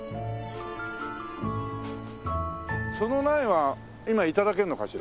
その苗は今頂けるのかしら？